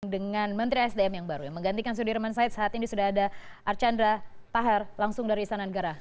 dengan menteri sdm yang baru yang menggantikan sudirman said saat ini sudah ada archandra tahar langsung dari istana negara